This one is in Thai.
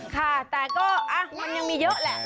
ค่ะแต่ก็มันยังมีเยอะแหละ